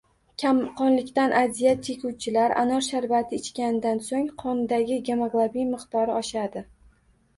Kamqonlikdan aziyat chekuvchilar anor sharbati ichganidan so‘ng qonidagi gemoglobin miqdori oshadi.